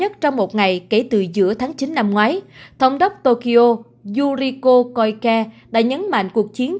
các trường hợp không tuân thủ quy định có thể bị phạt tới hai năm